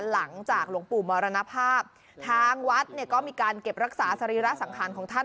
หลังจากหลวงปู่มรณภาพทางวัดเนี่ยก็มีการเก็บรักษาสรีระสังขารของท่าน